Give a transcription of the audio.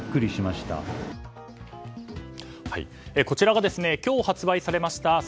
こちらが、今日発売されました